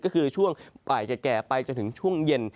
ก็คือช่วงบ่ายแก่ไปจนถึงช่วงเย็น